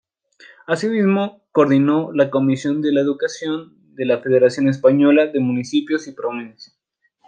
Asimismo, coordinó la Comisión de Educación de la Federación Española de Municipios y Provincias.